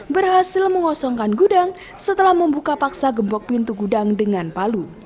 berhasil mengosongkan gudang setelah membuka paksa gembok pintu gudang dengan palu